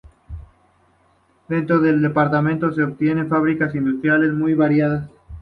Dentro del departamento se observan fábricas e industrias muy variadas.